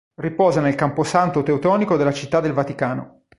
Riposa nel Camposanto teutonico della Città del Vaticano.